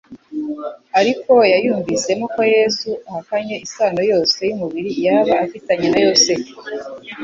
ariko yayumvisemo ko Yesu ahakanye isano yose y'umubiri yaba afitanye na Yosefu,